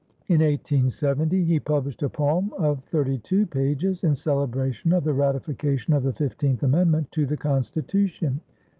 In 1870 he published a poem of 32 pages in celebration of the ratification of the Fifteenth Amendment to the Constitution.